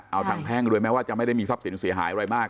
เอาทางแพ่งโดยแม้ว่าจะไม่ได้มีทรัพย์สินเสียหายอะไรมาก